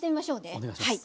お願いします。